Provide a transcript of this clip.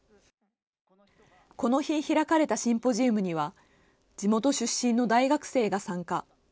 この日開かれたシンポジウムには地元出身の大学生が参加。